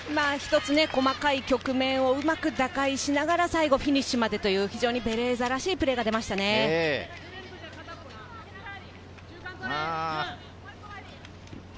細かい局面をうまく打開しながら最後フィニッシュまでというベレーザらしいプレーが出ました。